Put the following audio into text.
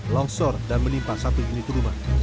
longsor dan menimpa satu unit rumah